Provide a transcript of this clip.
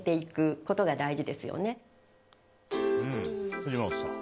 藤本さん。